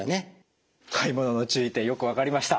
買い物の注意点よく分かりました。